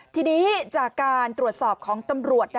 ทีนี้จากการตรวจสอบของตำรวจ